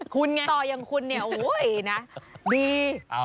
คุณไงต่อยังคุณเนี่ยโอ้โหดี